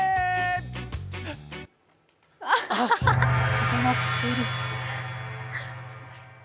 固まってる。